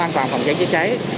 an toàn phòng cháy chữa cháy